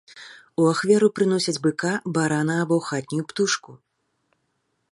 У ахвяру прыносяць быка, барана або хатнюю птушку.